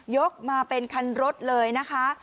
กมาเป็นคันรถเลยนะคะ